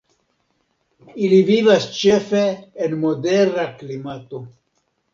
Ili vivas ĉefe en modera klimato.